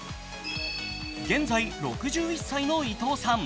現在６１歳の伊東さん。